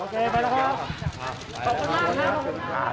บอกสองมือไม่ได้โอเคค่ะโอเคไปแล้วค่ะไปแล้วค่ะขอบคุณมากค่ะ